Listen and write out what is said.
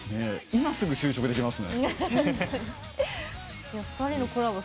今すぐ就職できますね。